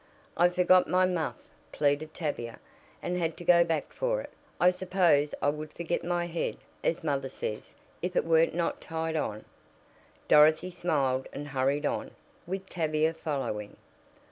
"I forgot my muff," pleaded Tavia, "and had to go back for it. I suppose I would forget my head, as mother says, if it were not tied on." Dorothy smiled and hurried on, with Tavia following.